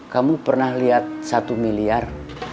kamu pernah lihat satu miliar